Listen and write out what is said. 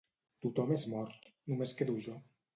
Tothom és mort, només quedo jo.